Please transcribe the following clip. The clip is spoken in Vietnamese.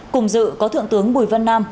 cùng dự có thượng tướng bùi văn nam